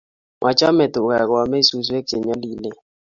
Machame tuga koamei suswek che nyalilen